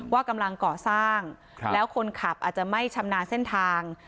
ว่ากำลังก่อสร้างแล้วคนขับอาจจะไม่ชำนาญเส้นทาง